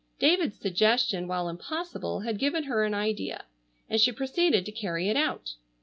David's suggestion while impossible had given her an idea, and she proceeded to carry it out.